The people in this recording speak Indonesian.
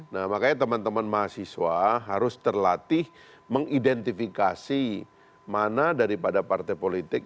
nah makanya teman teman mahasiswa harus terlatih mengidentifikasi mana daripada partai politik